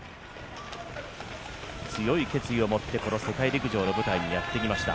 強い決意を持ってこの世界陸上の舞台にやってきました。